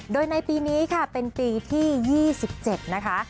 โดยในปีนี้ค่ะเป็นปีที่๒๗นะคะ